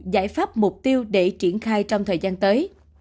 giải pháp mục tiêu để triển khai trong thời gian tới